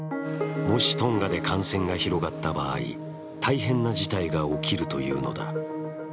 もしトンガで感染が広がった場合大変な事態が起きるというのだ。